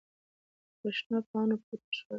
په شنو پاڼو پټ شول.